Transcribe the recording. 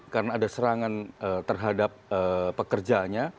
karena ada serangan terhadap pekerjanya